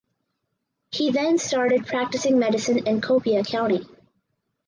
He then started practicing medicine in Copiah County.